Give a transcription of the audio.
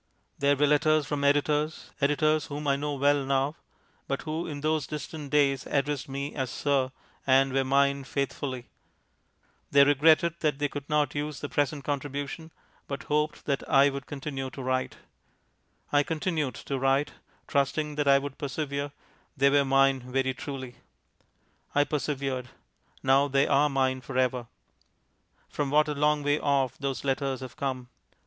There were letters from editors; editors whom I know well now, but who in those distant days addressed me as "Sir," and were mine faithfully. They regretted that they could not use the present contribution, but hoped that I would continue to write. I continued to write. Trusting that I would persevere, they were mine very truly. I persevered. Now they are mine ever. From what a long way off those letters have come.